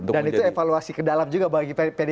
dan itu evaluasi ke dalam juga bagi pd